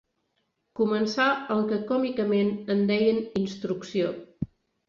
Començà el que, còmicament, en deien «instrucció».